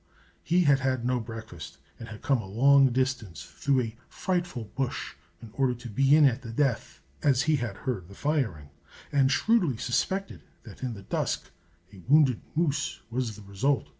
He had had no breakfast, and had come a long distance through a frightful bush in order to be in at the death, as he had heard the firing, and shrewdly suspected that in the dusk a wounded moose was the result.